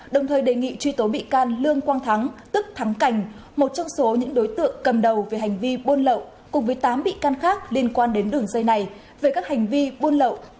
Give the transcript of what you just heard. đồng thời đề nghị truy tố bị can lương quang thắng tức thắng cảnh một trong số những đối tượng cầm đầu về hành vi buôn lậu cùng với tám bị can khác liên quan đến đường dây này về các hành vi buôn lậu